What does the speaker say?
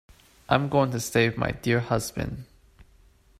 I am going to stay with my dear husband.